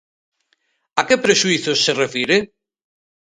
A que prexuízos se refire?